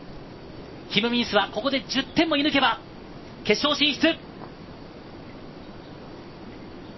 キム・ミンスはここで１０点を射抜けば決勝進出。